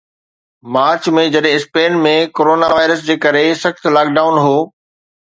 march ۾، جڏهن Spain ۾ corona virus جي ڪري سخت لاڪ ڊائون هو